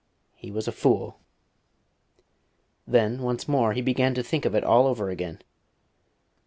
He was a fool.... Then once more he began to think of it all over again.